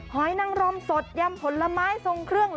หอยนังรมสดยำผลไม้ทรงเครื่อง